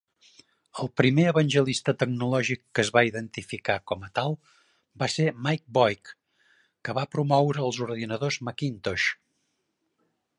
El primer evangelista tecnològic que es va identificar com a tal va ser Mike Boich, que va promoure els ordinadors Macintosh.